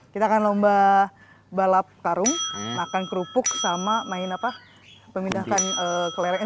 kita akan lomba balap karung makan kerupuk sama main apa memindahkan kelereng